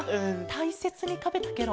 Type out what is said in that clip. たいせつにたべたケロ？